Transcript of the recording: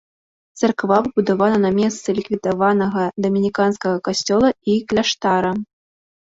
Царква пабудавана на месцы ліквідаванага дамініканскага касцёла і кляштара.